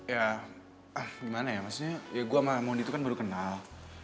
ya ah gimana ya maksudnya ya gue sama mondi itu kan baru kenal